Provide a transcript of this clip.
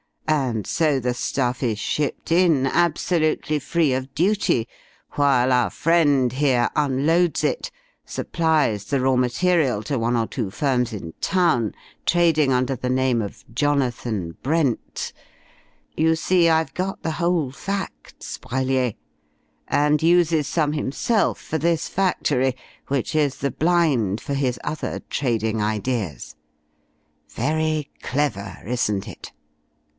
And so the stuff is shipped in absolutely free of duty, while our friend here unloads it, supplies the raw material to one or two firms in town, trading under the name of Jonathan Brent (you see I've got the whole facts, Brellier), and uses some himself for this factory, which is the 'blind' for his other trading ideas. Very clever, isn't it?"